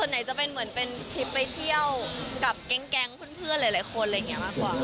ส่วนไหนจะเป็นเหมือนเป็นทริปไปเที่ยวกับแก๊งเพื่อนหลายคนอะไรอย่างนี้มากกว่า